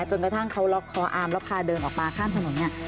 จนกระทั่งเขาล็อกคออามแล้วพาเดินออกมาข้ามถนนเนี่ย